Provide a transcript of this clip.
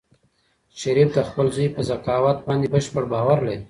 شریف د خپل زوی په ذکاوت باندې بشپړ باور لري.